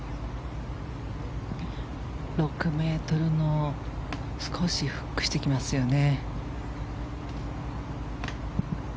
６ｍの少しフックしてきますよね。